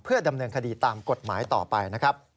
เพื่อดำเนินคดีตามกฎหมายต่อไป